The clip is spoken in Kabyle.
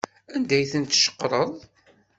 Anda ay tent-tceqreḍ?